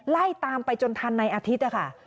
ไล่ตามไปจนทันในอาทิตย์นะคะ